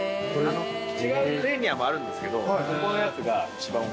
違うレーニアもあるんですけどここのやつが一番おいしい。